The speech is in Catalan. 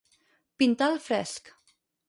Pintar al fresc.